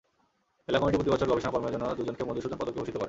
মেলা কমিটি প্রতিবছর গবেষণা কর্মের জন্য দুজনকে মধুসূদন পদকে ভূষিত করে।